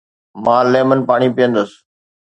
مان ليمن پاڻي پيئندس